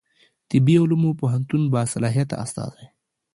طبي علومو پوهنتون باصلاحیته استازی